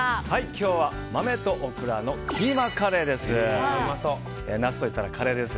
今日は豆とオクラのキーマカレーです。